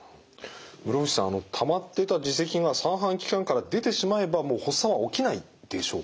室伏さんあのたまってた耳石が三半規管から出てしまえばもう発作は起きないんでしょうか？